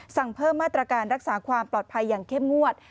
เพิ่มมาตรการรักษาความปลอดภัยอย่างเข้มงวด